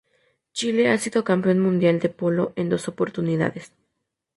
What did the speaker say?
Chile ha sido campeón mundial de polo en dos oportunidades.